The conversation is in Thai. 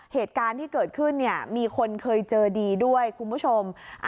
เหตุการณ์ที่เกิดขึ้นเนี่ยมีคนเคยเจอดีด้วยคุณผู้ชม